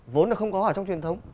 vốn là không có ở trong truyền thống